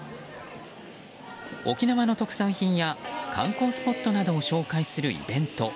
沖縄の特産品や観光スポットなどを紹介するイベント。